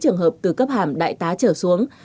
trường hợp từ cấp hàm đại tá trở xuống